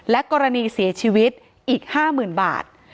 กรณีเสียชีวิตอีก๕๐๐๐๐บาท